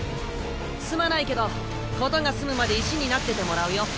すまないけど事が済むまで石になっててもらうよ。